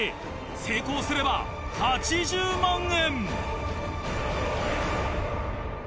成功すれば８０万円。